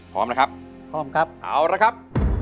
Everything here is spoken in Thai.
พร้อมนะครับพร้อมครับเอาละครับ